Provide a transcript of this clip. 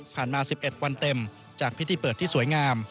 มา๑๑วันเต็มจากพิธีเปิดที่สวยงาม